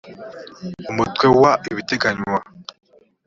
umutwe wa iii ibiteganywa